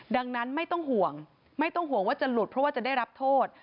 ดังนั้นไม่ต้องห่วงไม่ต้องห่วงว่าจะหลุดเพราะว่าจะได้รับโทษ